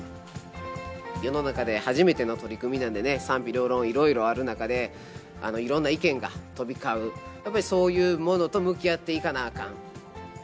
世の中で初めての取り組みなんでね、賛否両論、いろいろある中で、いろんな意見が飛び交う、やはりそういうものと向き合っていかなあかん。